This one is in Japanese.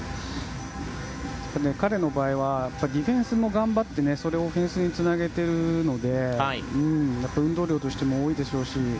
彼の場合はディフェンスでも頑張ってそれをオフェンスにつなげているので運動量としても多いでしょうし